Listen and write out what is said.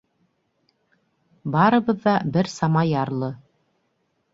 Барыбыҙ ҙа бер сама ярлы.